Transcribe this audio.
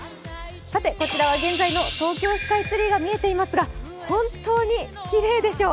こちらは現在の東京スカイツリーが見えていますが本当にきれいでしょ。